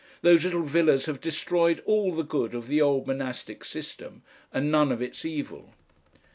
Those little villas have destroyed all the good of the old monastic system and none of its evil....